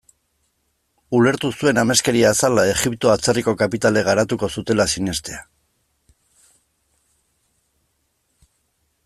Ulertu zuen ameskeria zela Egipto atzerriko kapitalek garatuko zutela sinestea.